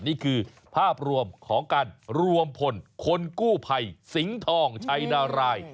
นี่คือภาพรวมของการรวมพลคนกู้ภัยสิงห์ทองชัยนาราย